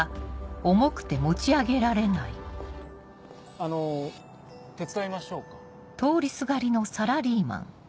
あの手伝いましょうか？